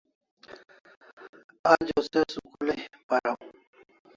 Ajo se school ai para